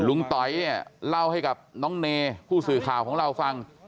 ต๋อยเนี่ยเล่าให้กับน้องเนผู้สื่อข่าวของเราฟัง